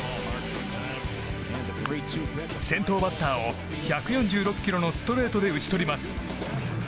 先頭バッターを１４６キロのストレートで打ち取ります。